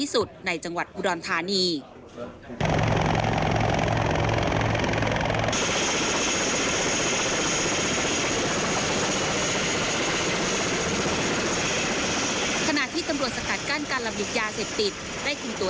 โดยในเอียทำหน้าที่นำรถยนต์จากฝั่งไทยข้ามไปยังฝั่งลาว